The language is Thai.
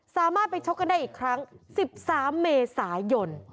สามารถไปชกกันได้อีกครั้ง๑๓เมษายน